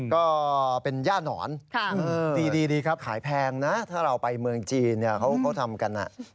ก็เป็นย่านอนดีครับขายแพงนะถ้าเราไปเมืองจีนเขาทำกัน